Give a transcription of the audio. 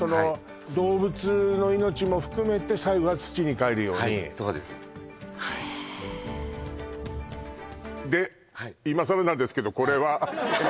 動物の命も含めて最後は土にかえるようにはいそうですで今さらなんですけどこれは？